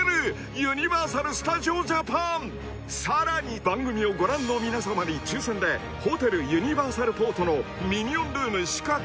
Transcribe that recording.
［さらに番組をご覧の皆さまに抽選でホテルユニバーサルポートのミニオンルーム宿泊券などをプレゼント］